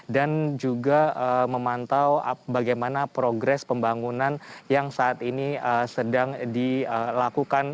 dan juga memantau bagaimana progres pembangunan yang saat ini sedang dilakukan